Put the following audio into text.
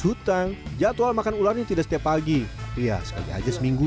hutang jadwal makan ular ini tidak setiap pagi iya sekali aja seminggu